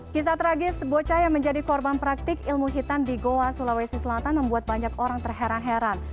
kisah tragis bocah yang menjadi korban praktik ilmu hitam di goa sulawesi selatan membuat banyak orang terheran heran